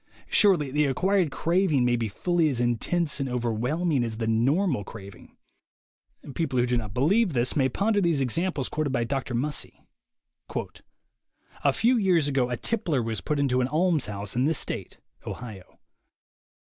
Surely the acquired craving may be fully as intense and overwhelming as the "normal'' craving. People who do not believe this may ponder these examples quoted by Dr. Mussey: "A few years ago a tippler was put into an THE WAY TO WILL POWER 101 almshouse in this State (Ohio).